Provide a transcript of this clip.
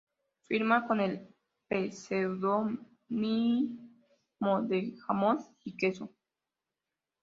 Firma con el pseudónimo de "Jamón y Queso".